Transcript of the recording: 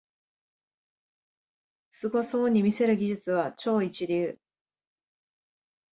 すごそうに見せる技術は超一流